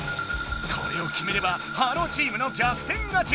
これを決めればｈｅｌｌｏ，チームの逆転勝ち。